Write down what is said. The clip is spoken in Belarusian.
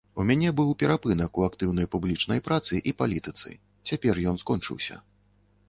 У мяне быў перапынак у актыўнай публічнай працы і палітыцы, цяпер ён скончыўся.